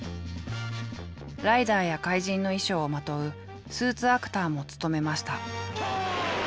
ライダーや怪人の衣装をまとうスーツアクターも務めました。